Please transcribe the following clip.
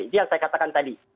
jadi yang saya katakan tadi